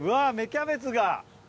キャベツが！